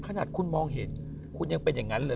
ขนาดคุณมองเห็นคุณยังเป็นอย่างนั้นเลย